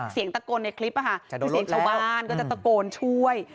เสียงตะโกนในคลิปคือเสียงชาวบ้านก็จะตะโกนช่วย